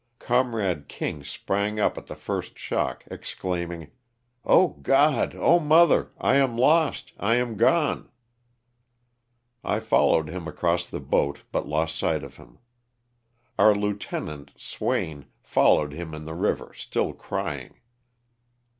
Comrade King sprang up at the first shock, exclaiming '*0h God, Oh mother! I am lost, I am gone." I fol lowed him across the boat but lost sight of him. Our lieutenant, Swain, followed him in the river, still cry ing.